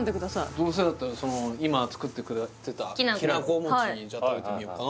どうせだったら今作ってくれてたきなこ餅じゃあ食べてみよっかな